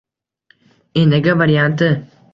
“Enaga” varianti